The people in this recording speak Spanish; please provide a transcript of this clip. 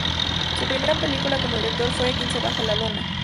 Su primera película como director fue "Quince bajo la lona".